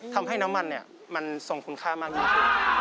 ทำให้น้ำมันมันส่งคุณค่ามากยิ่งขึ้น